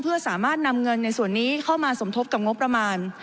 เพื่อสามารถนำเงินในส่วนนี้เข้ามาสมทบกับงบประมาณ